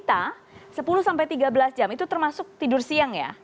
jadi kita sepuluh sampai tiga belas jam itu termasuk tidur siang ya